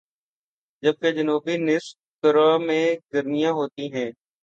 جبکہ جنوبی نصف کرہ میں گرمیاں ہوتی ہیں